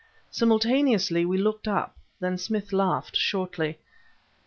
Simultaneously, we looked up, then Smith laughed, shortly.